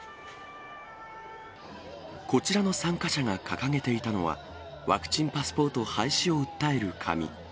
こちらの参加者が掲げていたのは、ワクチンパスポート廃止を訴える紙。